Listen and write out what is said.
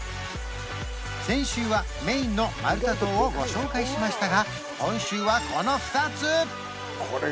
先週はメインのマルタ島をご紹介しましたが今週はこの２つ！